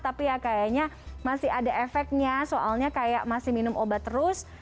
tapi ya kayaknya masih ada efeknya soalnya kayak masih minum obat terus